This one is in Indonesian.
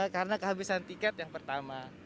karena kehabisan tiket yang pertama